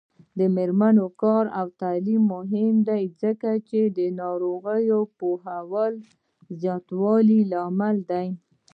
د میرمنو کار او تعلیم مهم دی ځکه چې ناروغیو پوهاوي زیاتولو لامل دی.